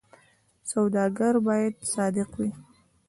سوداګر باید صادق وي